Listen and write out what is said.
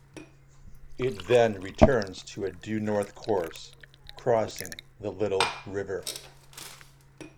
It then returns to a due north course, crossing the Little River.